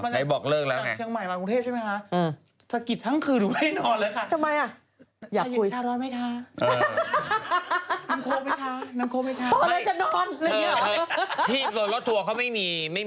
จะบอกให้ตามตรงมีม่ะตูลรถทัวร์มีพิตตี้ป่ะ